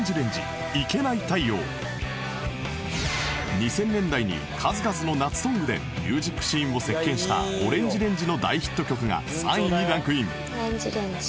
２０００年代に数々の夏ソングでミュージックシーンを席巻した ＯＲＡＮＧＥＲＡＮＧＥ の大ヒット曲が３位にランクイン